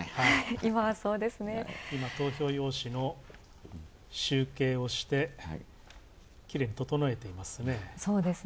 今、投票用紙の集計をしてきれいに整えていますね。